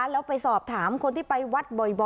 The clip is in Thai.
แล้วไปสอบถามคนที่ไปวัดบ่อย